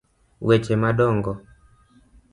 weche ma dongo: